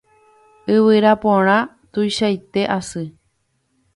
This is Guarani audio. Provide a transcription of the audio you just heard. Yvyra porã tuichaite asy